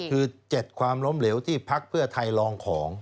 คือ๗ความล้มเหลวที่พักเพื่อไทยลองของ